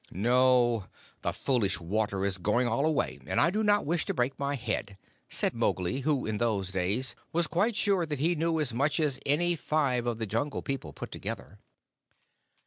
"No. The foolish water is going all away, and I do not wish to break my head," said Mowgli, who, in those days, was quite sure that he knew as much as any five of the Jungle People put together.